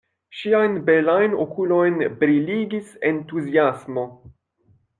Ŝiajn belajn okulojn briligis entuziasmo.